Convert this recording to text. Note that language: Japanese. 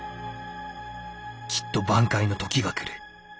きっと挽回の時が来る。